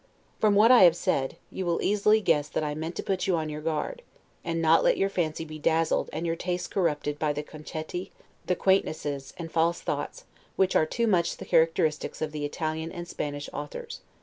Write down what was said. From what I have said, you will easily guess that I meant to put you upon your guard; and not let your fancy be dazzled and your taste corrupted by the concetti, the quaintnesses, and false thoughts, which are too much the characteristics of the Italian and Spanish authors.